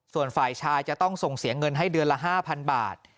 ส่วนฝ่ายชายจะต้องส่งเสียเงินให้เดือนละ๕๐๐บาท